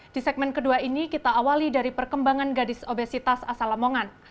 di segmen kedua ini kita awali dari perkembangan gadis obesitas asal lamongan